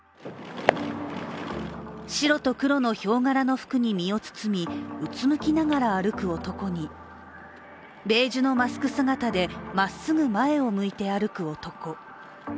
白と黒のヒョウ柄の服に身を包みうつむきながら歩く男に、ベージュのマスク姿でまっすぐ前を向いて歩く男。